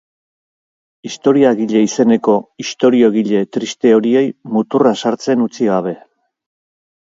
Historiagile izeneko "ixtoriogile" triste horiei muturra sartzen utzi gabe.